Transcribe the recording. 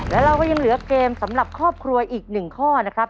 และเราก็ยังเหลือเกมสำหรับครอบครัวอีก๑ข้อนะครับ